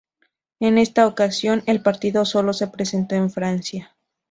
En esta ocasión el partido solo se presentó en Francia.